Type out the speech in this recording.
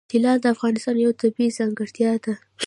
طلا د افغانستان یوه طبیعي ځانګړتیا ده.